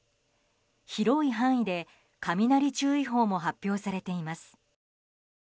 広い範囲で雷注意報も発表されています。